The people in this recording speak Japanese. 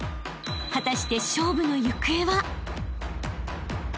［果たして勝負の行方は？］